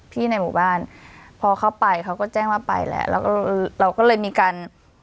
ในหมู่บ้านพอเข้าไปเขาก็แจ้งว่าไปแล้วแล้วก็เราก็เลยมีการ